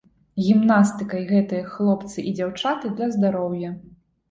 Гімнастыкай гэтыя хлопцы і дзяўчаты для здароўя.